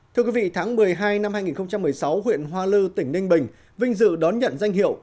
thưa quý vị tháng một mươi hai năm hai nghìn một mươi sáu huyện hoa lư tỉnh ninh bình vinh dự đón nhận danh hiệu